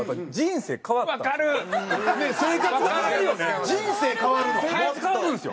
生活変わるんですよ。